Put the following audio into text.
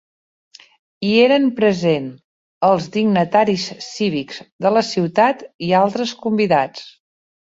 Hi eren present els dignataris cívics de la ciutat i altres convidats.